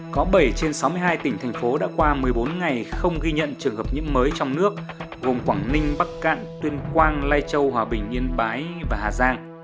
có bảy trên sáu mươi hai tỉnh thành phố đã qua một mươi bốn ngày không ghi nhận trường hợp nhiễm mới trong nước gồm quảng ninh bắc cạn tuyên quang lai châu hòa bình yên bái và hà giang